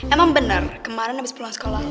emang bener kemarin habis pulang sekolah